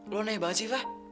lo nebak sih fah